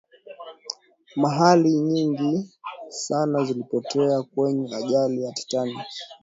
mahali nyingi sana zilipotea kwenye ajali ya titanic